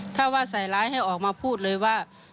ถ้าว่าใส่ร้ายให้ออกมาพูดเลยว่า